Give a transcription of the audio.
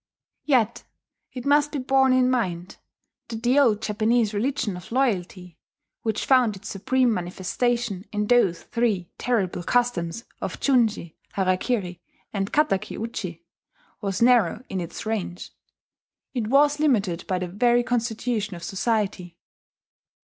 Yet it must be borne in mind that the old Japanese religion of loyalty, which found its supreme manifestation in those three terrible customs of junshi, harakiri, and kataki uchi, was narrow in its range. It was limited by the very constitution of society.